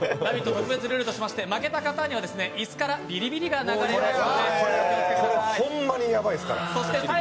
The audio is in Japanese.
特別ルールとしまして負けた方には椅子からビリビリが流れますので気をつけてください。